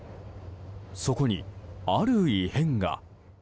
そこにある異変が。